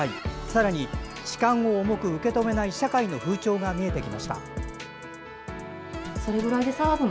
さらに、痴漢を重く受け止めない社会の風潮が見えてきました。